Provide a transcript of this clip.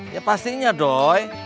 ya pastinya doi